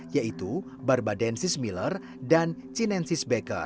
yaitu barbadensis miller dan cinensis baker